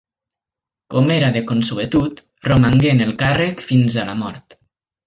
Com era de consuetud, romangué en el càrrec fins a la mort.